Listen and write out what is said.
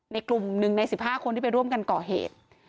ในกลุ่มหนึ่งในสิบห้าคนที่ไปร่วมกันก่อเหตุ